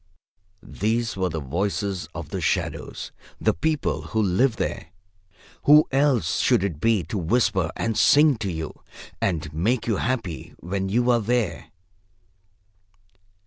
These were the voices of the shadows, the people who live there. Who else should it be to whisper and sing to you and make you happy when you are there?